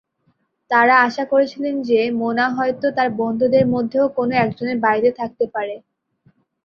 তারা আশা করেছিলেন যে, মোনা হয়তো তার বন্ধুদের মধ্যে কোনও একজনের বাড়িতে থাকতে পারে।